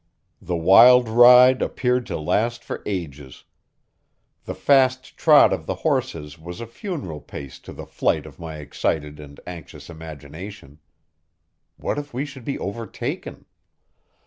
The wild ride appeared to last for ages. The fast trot of the horses was a funeral pace to the flight of my excited and anxious imagination. What if we should be overtaken?